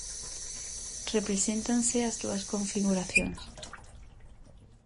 Represéntanse as dúas configuracións.